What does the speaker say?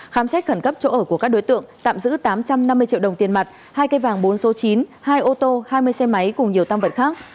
khám xét khẩn cấp chỗ ở của các đối tượng tạm giữ tám trăm năm mươi triệu đồng tiền mặt hai cây vàng bốn số chín hai ô tô hai mươi xe máy cùng nhiều tăng vật khác